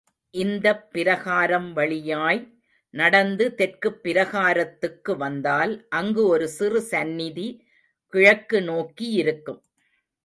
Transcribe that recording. இந்தப் பிரகாரம் வழியாய் நடந்து தெற்குப் பிரகாரத்துக்கு வந்தால், அங்கு ஒரு சிறு சந்நிதி கிழக்கு நோக்கியிருக்கும்.